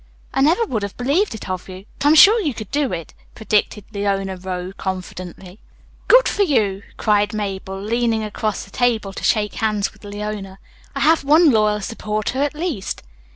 "I never would have believed it of you, but I'm sure you could do it," predicted Leona Rowe confidently. "Good for you!" cried Mabel, leaning across the table to shake hands with Leona. "I have one loyal supporter at least."